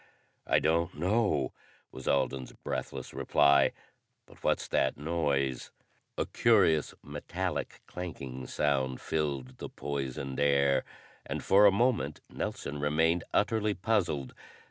"I don't know," was Alden's breathless reply. "But what's that noise?" A curious metallic clanking sound filled the poisoned air, and for a moment Nelson remained utterly puzzled.